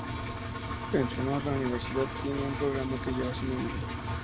En su honor, la Universidad tiene un programa que lleva su nombre.